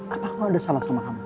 apa kau ada salah sama kamu